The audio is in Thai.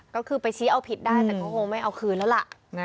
ก็คือไปชี้เอาผิดได้แต่ก็คงไม่เอาคืนแล้วล่ะ